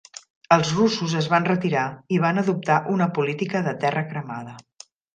Els russos es van retirar i van adoptar una política de terra cremada.